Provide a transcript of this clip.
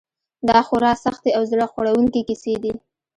دا خورا سختې او زړه خوړونکې کیسې دي.